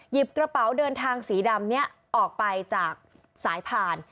กระเป๋าเดินทางสีดำนี้ออกไปจากสายผ่าน